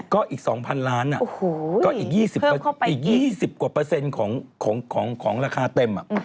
ก็อีก๒๐๐๐ล้านก็อีก๒๐กว่าเปอร์เซ็นต์ของราคาเต็ม